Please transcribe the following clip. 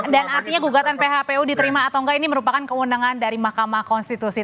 dan artinya gugatan phpu diterima atau enggak ini merupakan kewenangan dari mahkamah konstitusi